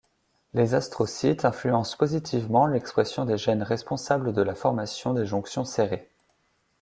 Les astrocytes influencent positivement l'expression des gènes responsables de la formation des jonctions serrées.